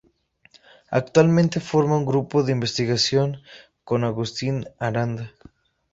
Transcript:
Actualmente forma un grupo de investigación con Agustín Aranda.